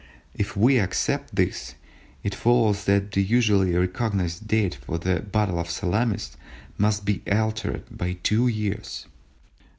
If we accept this, it follows that the usually recognised date for the battle of Salamis must be altered by two years.